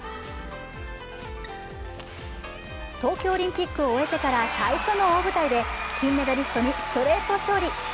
東京オリンピックを終えてから最初の大舞台で金メダリストにストレート勝利。